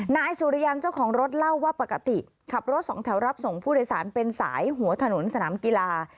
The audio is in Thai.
นายสุริยันเจ้าของรถเล่าว่าปกติขับรถสองแถวรับส่งผู้โดยสารเป็นสายหัวถนนสนามกีฬา